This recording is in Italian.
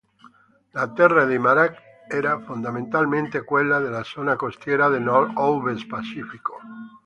La terra dei Makah era fondamentalmente quella della zona costiera del Nord-ovest Pacifico.